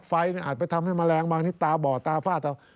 ไฟล์นี่อาจไปทำให้แมลงบางทีตาบ่อตาฝ้าเท่า